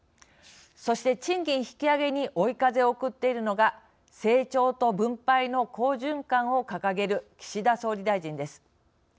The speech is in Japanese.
そして、賃金引き上げに追い風を送っているのが成長と分配の好循環を掲げる岸田総理大臣です。